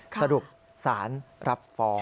สรุปสารรับฟ้อง